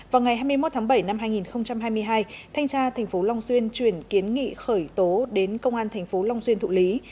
vào ngày hai mươi một tháng bảy năm hai nghìn hai mươi hai thanh tra tp long xuyên chuyển kiến nghị khởi tố đến công an tp long xuyên thụ lý